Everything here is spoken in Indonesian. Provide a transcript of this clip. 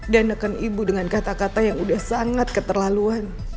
dan neken ibu dengan kata kata yang udah sangat keterlaluan